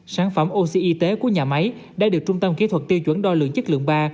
sản phẩm oxy y tế của nhà máy đã được trung tâm kỹ thuật tiêu chuẩn đo lượng chất lượng iii